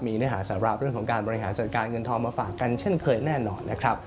มีเนื้อหาสาระเรื่องของการบริหารจัดการเงินทองมาฝากกันเช่นเคยแน่นอนนะครับ